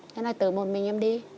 thế là từ một mình em đi